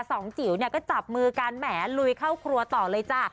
สองจิ๋วก็จับมือการแหมลุยเข้าครัวต่อเลยจ้ะ